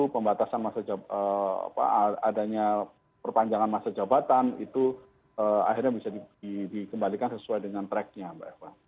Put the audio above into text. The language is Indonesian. pembatasan masa adanya perpanjangan masa jabatan itu akhirnya bisa dikembalikan sesuai dengan tracknya mbak eva